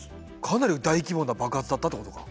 かなり大規模な爆発だったってことか。